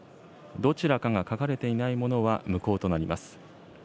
どちらかが書かれていないものは無効となります。